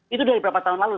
itu dari berapa tahun lalu